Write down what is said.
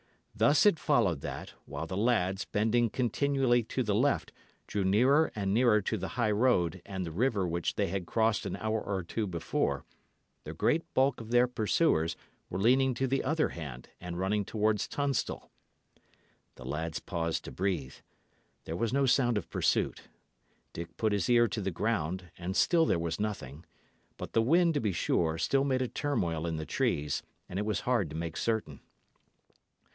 Thus it followed that, while the lads, bending continually to the left, drew nearer and nearer to the high road and the river which they had crossed an hour or two before, the great bulk of their pursuers were leaning to the other hand, and running towards Tunstall. The lads paused to breathe. There was no sound of pursuit. Dick put his ear to the ground, and still there was nothing; but the wind, to be sure, still made a turmoil in the trees, and it was hard to make certain.